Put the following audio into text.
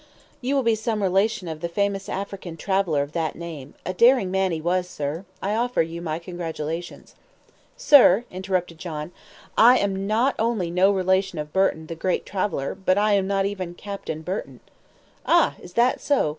You will be some relation of the famous African traveler of that name. A daring man he was, sir. I offer you my congratulations." "Sir," interrupted John. "I am not only no relation of Burton the great traveler, but I am not even Captain Burton." "Ah, is that so?